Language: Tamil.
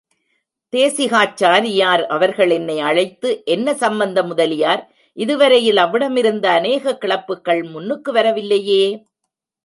தேசிகாச்சாரியார் அவர்கள் என்னை அழைத்து, என்ன சம்பந்த முதலியார், இது வரையில் அவ்விடமிருந்த அநேக கிளப்புகள் முன்னுக்கு வரவில்லையே!